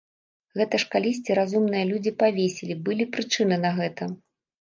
Гэта ж калісьці разумныя людзі павесілі, былі прычыны на гэта.